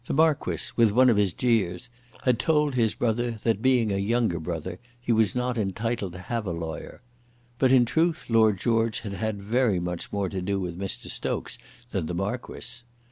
The Marquis, with one of his jeers, had told his brother that, being a younger brother, he was not entitled to have a lawyer. But in truth Lord George had had very much more to do with Mr. Stokes than the Marquis.